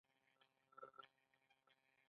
د کارګرانو د ژوند په عوایدو کې کموالی راوستل